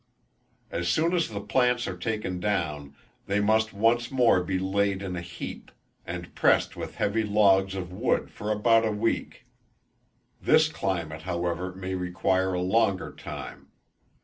As soon as the plants are taken down, they must once more be laid in a heap, and pressed with heavy logs of wood for about a week. This climate, however, may require a longer time.